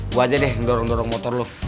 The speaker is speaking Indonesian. gue aja deh yang dorong dorong motor lu